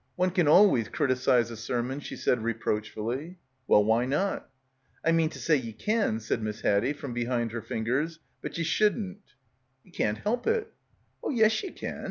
"One can always criticise a sermon," she said reproachfully. "Well, why not?" "I mean to say ye can" said Miss Haddie from behind her fingers, "but, but ye shouldn't." "You can't help it." "Oh yes, ye can.